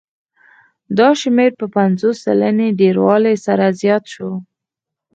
دا شمېر په پنځوس سلنې ډېروالي سره زیات شو